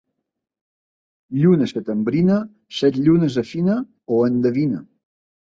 Lluna setembrina set llunes afina o endevina.